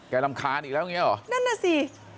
รำคาญอีกแล้วอย่างเงี้เหรอนั่นน่ะสิ